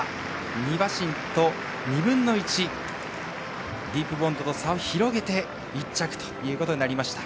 ２馬身と２分の１ディープボンドと差を広げて１着ということになりました。